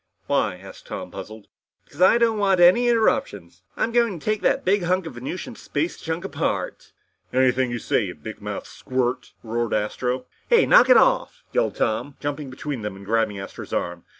"Why?" asked Tom, puzzled. "Because I don't want any interruptions. I'm going to take that big hunk of Venusian space junk apart." "Anything you say, you bigmouthed squirt!" roared Astro. "Hey knock it off!" yelled Tom, jumping between them and grabbing Astro's arm.